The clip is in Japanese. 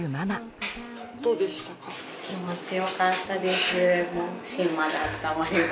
気持ちよかったです。